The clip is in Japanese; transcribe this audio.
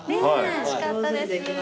楽しかったです。